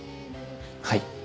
はい。